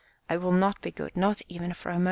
I will not be good not even for a mo ment."